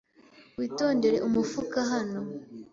Witondere umufuka hano.